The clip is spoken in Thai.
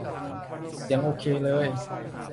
เสียงโอเคเลย